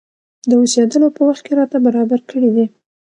د اوسېدلو په وخت کې راته برابر کړي دي.